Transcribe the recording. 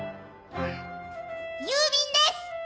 郵便です！